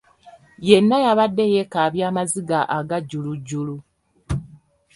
Yenna yabadde yeekaabya amaziga agajjulujjulu.